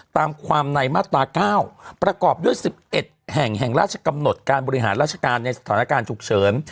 ตามความในมาตรา๙ประกอบด้วย๑๑แห่งแห่งราชกำหนดการบริหารราชการในสถานการณ์ฉุกเฉิน